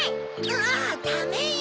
あダメよ！